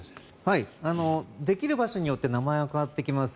はい、できる場所によって名前は変わってきます。